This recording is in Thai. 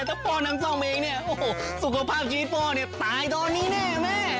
ถ้าพ่อน้ำส้มเองสุขภาพชีวิตพ่อตายตอนนี้แน่